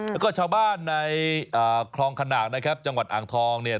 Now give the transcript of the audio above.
แล้วก็ชาวบ้านในคลองขนาดนะครับจังหวัดอ่างทองเนี่ย